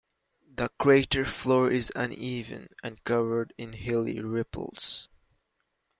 The crater floor is uneven and covered in hilly ripples.